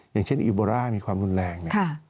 อย่างเช่นอิโบร่ามีความรุนแรงเนี่ย